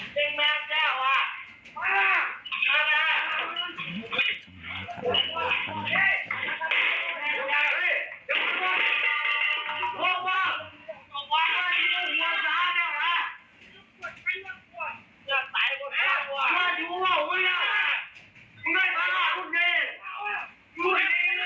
เต้นแม็กซ์แก้วอ่ะ